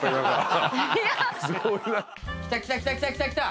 来た来た来た来た来た来た。